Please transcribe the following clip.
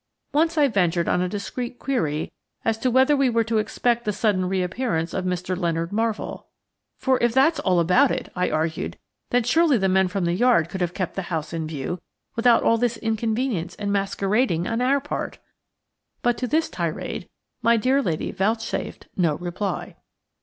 Once I ventured on a discreet query as to whether we were to expect the sudden re appearance of Mr. Leonard Marvell. "For if that's all about it," I argued, "then surely the men from the Yard could have kept the house in view, without all this inconvenience and masquerading on our part." But to this tirade my dear lady vouchsafed no reply.